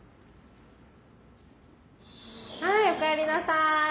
はいおかえりなさい。